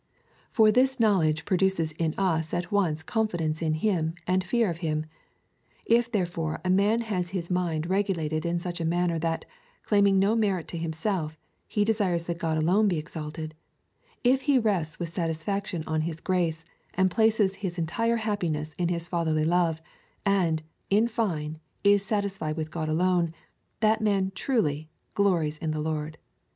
For this knowledge pro duces in us at once confidence in him and fear of him. If therefore a man has his mind regulated in such a manner that, claiming no merit to himself, he desires that God alone be exalted ; if he rests with satisfaction on his grace, and places his entire happiness in his fatherly love, and, in fine, is satisfied with God alone, that man truly " glories in the Lord."